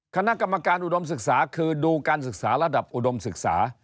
คณะกรรมการอุดมศึกษาคือดูการศึกษาระดับอุดมศึกษา